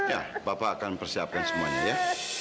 ya bapak akan persiapkan semuanya ya